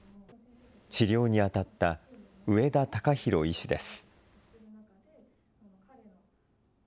治療に当たった上田敬博医師です。